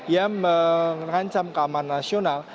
yang mengancam keamanan nasional